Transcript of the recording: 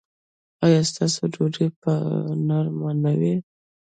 ایا ستاسو ډوډۍ به نرمه نه وي؟